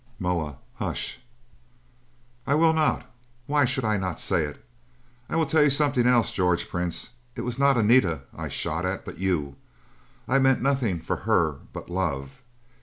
Moa: "Hush!" "I will not! Why should I not say it? I will tell you something else, George Prince. It was not Anita I shot at, but you! I meant nothing for her but love.